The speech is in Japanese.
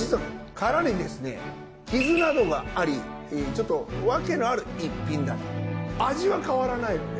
殻にですね傷などがありちょっと訳のある逸品だと味は変わらないので。